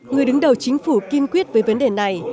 người đứng đầu chính phủ kiên quyết với vấn đề này